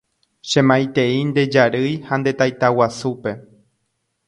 Che maitei nde jarýi ha nde taitaguasúpe.